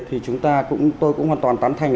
thì chúng ta cũng tôi cũng hoàn toàn tán thanh